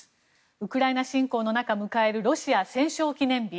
ウクライナ侵攻の中迎えるロシア戦勝記念日。